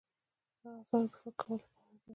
دغه ځواک د فکر کولو لپاره دی.